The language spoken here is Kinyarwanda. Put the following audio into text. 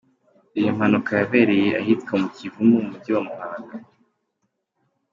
Iyi mpanuka yabereye ahitwa ku Kivumu mu Mujyi wa Muhanga.